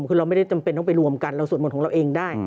คือเราไม่ได้จำเป็นต้องไปรวมกันเราสวดมนต์ของเราเองได้